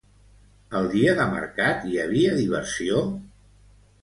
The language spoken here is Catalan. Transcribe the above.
El dia de mercat hi havia diversió?